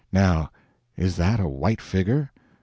Now is that a white figure?